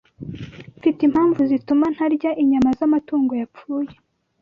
Mfite impamvu zituma ntarya inyama z’amatungo yapfuye